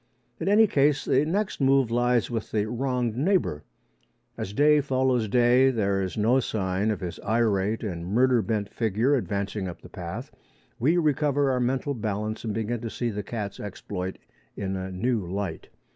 In any case the next move lies with the wronged neighbour. As day follows day, and there is no sign of his irate and murder bent figure advancing up the path, we recover our mental balance and begin to see the cat's exploit in a new light.